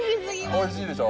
おいしいでしょ。